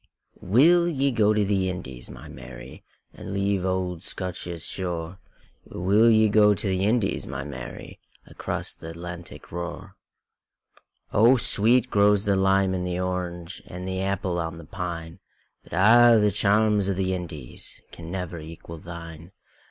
WILL ye go to the Indies, my Mary, And leave auld Scotia's shore? Will ye go to the Indies, my Mary, Across th' Atlantic roar?O sweet grows the lime and the orange, And the apple on the pine; But a' the charms o' the IndiesCan never equal thine.